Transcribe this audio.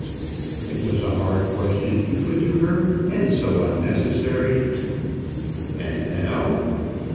It was a hard question to put to her, and so unnecessary! "And now?"